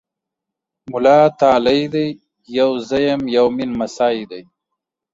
مولا تالی دی! يو زه یم، یو مې نمسی دی۔